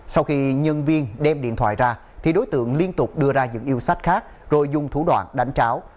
sau khi nhân viên đem điện thoại ra thì đối tượng liên tục đưa ra những yêu sách khác rồi dùng thủ đoạn đánh tráo